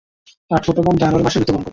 তার ছোট বোন জানুয়ারি মাসে মৃত্যুবরণ করে।